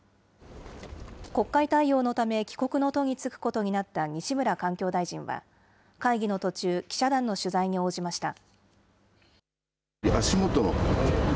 国会対応のため帰国の途に就くことになった西村環境大臣は会議の途中、記者団の取材に応じました。